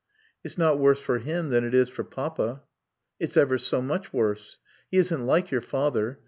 "It's not worse for him than it is for Papa." "It's ever so much worse. He isn't like your father.